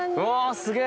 すげえ。